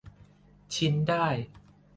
ชิ้นได้